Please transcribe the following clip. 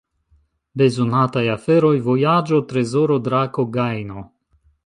Bezonataj aferoj: vojaĝo, trezoro, drako, gajno.